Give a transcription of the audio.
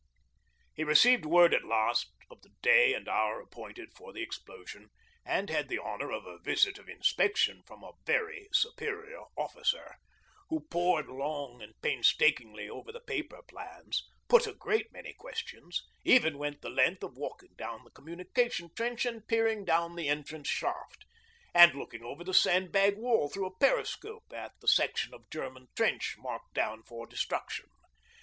He received word at last of the day and hour appointed for the explosion, and had the honour of a visit of inspection from a very superior officer who pored long and painstakingly over the paper plans, put a great many questions, even went the length of walking down the communication trench and peering down the entrance shaft, and looking over the sandbagged wall through a periscope at the section of German trench marked down for destruction.